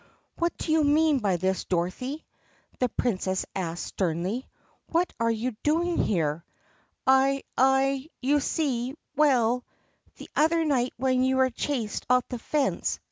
"What do you mean by this, Dorothy*?" the Princess asked sternly. "What are you doing here 4 ?" "I — I — you see — well — the other night when you were chased off the fence."